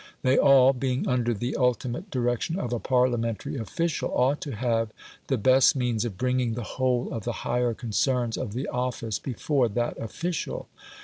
They all, being under the ultimate direction of a Parliamentary official, ought to have the best means of bringing the whole of the higher concerns of the office before that official.